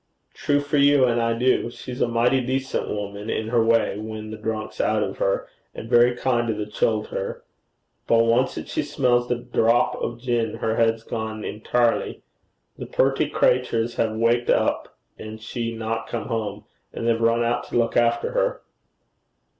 'True for you, and I do. She's a mighty dacent woman in her way when the drink's out uv her, and very kind to the childher; but oncet she smells the dhrop o' gin, her head's gone intirely. The purty craytures have waked up, an' she not come home, and they've run out to look after her.'